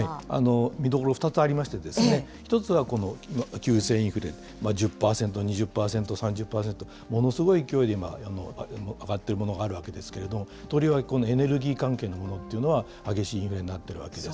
見どころ２つありまして、１つはこの急性インフレ、１０％、２０％、３０％、ものすごい勢いで今、上がっているものがあるわけですけれども、とりわけこのエネルギー関係のものっていうのは、激しいインフレになっているわけです。